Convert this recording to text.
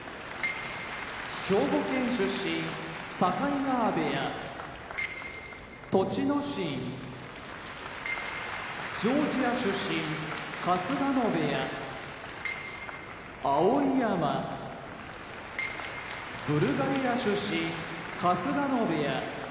兵庫県出身境川部屋栃ノ心ジョージア出身春日野部屋碧山ブルガリア出身春日野部屋